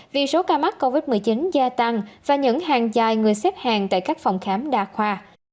vì số ca mắc covid một mươi chín gia tăng và những hàng dài người xếp hàng tại các phòng khám đa khoa